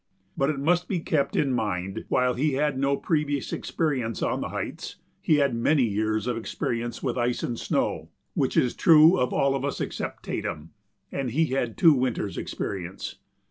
But it must be kept in mind that, while he had no previous experience on the heights, he had many years of experience with ice and snow which is true of all of us except Tatum, and he had two winters' experience.